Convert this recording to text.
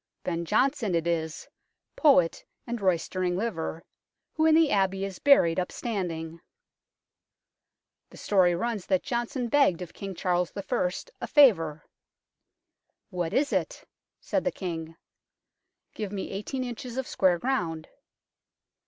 Ben Jonson it is, poet and roystering liver, who in the Abbey is buried upstanding. The story runs that Jonson begged of King Charles I. a favour. " What is it ?" said the King. " Give me eighteen inches of square ground."